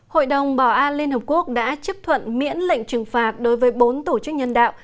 hội đồng bảo an liên hợp quốc đã chấp thuận miễn lệnh trừng phạt đối với bốn tổ chức nhân đạo